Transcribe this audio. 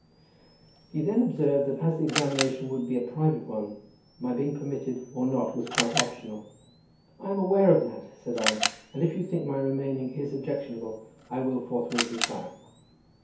He then observed that, as the examination would be a private one, my being permitted or not was quite optional. "I am aware of that," said I, "and if you think my remaining is objectionable, I will forthwith retire."